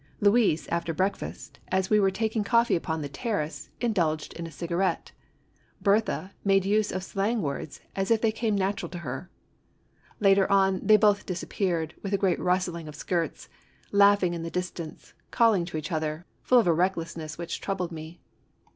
Louise, after breakfast, as we were taking coffee upon the terrace, indulged in a cigarette. Berthe made use of slang words as if they came natural to her. Later on, they both disappeared, with a great rustling of skirts, laughing in the distance, calling to each other, full of a recklessness which troubled me.